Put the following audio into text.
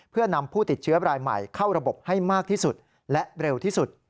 เพื่อนำผู้ติดเชื้อรายใหม่เข้าระบบให้มากที่สุดและเร็วที่สุด